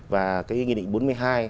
và cái nghị định bốn mươi hai